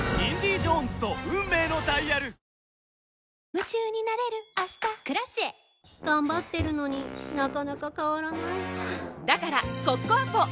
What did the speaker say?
夢中になれる明日「Ｋｒａｃｉｅ」頑張ってるのになかなか変わらないはぁだからコッコアポ！